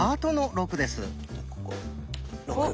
６。